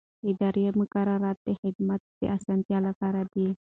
اداري مقررات د خدمت د اسانتیا لپاره دي.